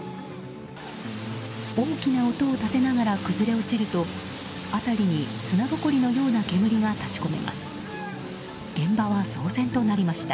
大きな音を立てながら崩れ落ちると辺りに砂ぼこりのような煙が立ち込めます。